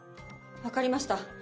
分かりました